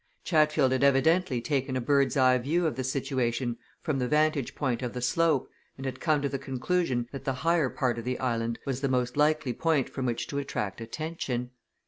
Chatfield had evidently taken a bird's eye view of the situation from the vantage point of the slope and had come to the conclusion that the higher part of the island was the most likely point from which to attract attention.